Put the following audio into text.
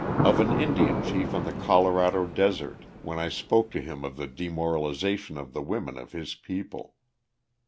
of an Indian chief on the Colorado desert, when I spoke to him of the demoralization of the women of his people.